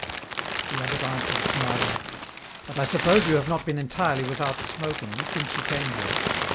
The abbot answered smiling, " But I suppose you have not been entirely without smokmg, since you came here